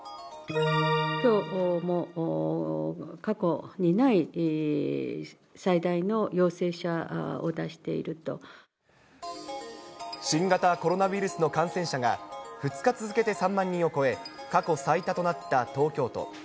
きょうも過去にない最大の陽新型コロナウイルスの感染者が、２日続けて３万人を超え、過去最多となった東京都。